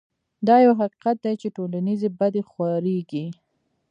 دا يو حقيقت دی چې ټولنيزې بدۍ خورېږي.